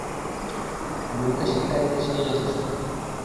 গুরুকে শিক্ষা দিতে সে-ই যথেষ্ট।